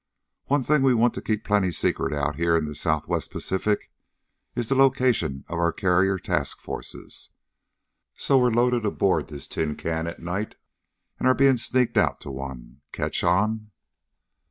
One thing we want to keep plenty secret out here in the Southwest Pacific is the location of our carrier task forces. So we were loaded aboard this tin can at night, and are being sneaked out to one. Catch on?"